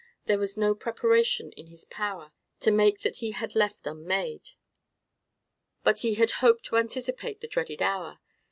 There was no preparation in his power to make that he had left unmade. But he had hoped to anticipate the dreaded hour.